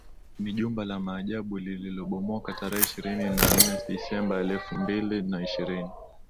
Ni jumba la Maajabu lililobomoka tarehe ishirini na nne Desemba elfu mbili na ishirini